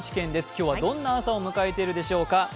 今日はどんな朝を迎えているでしょうか。